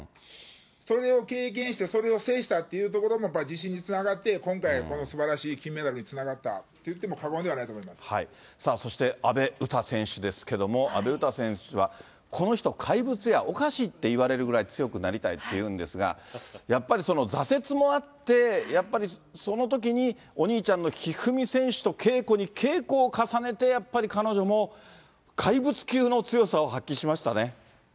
それを経験して、それを制したっていうところもやっぱり自信につながって、今回、このすばらしい金メダルにつながったっていっても過言ではないとそして阿部詩選手ですけども、阿部詩選手はこの人怪物や、おかしいって言われるぐらい強くなりたいっていうんですが、やっぱり挫折もあって、やっぱりそのときに、お兄ちゃんの一二三選手と稽古に稽古を重ねて、やっぱり彼女も怪物級の強さを発揮しましたね。